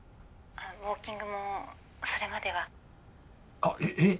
☎ウォーキングもそれまではあっえっ？